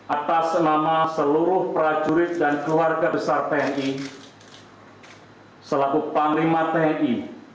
atas nama seluruh prajurit dan keluarga besar tni selaku panglima tni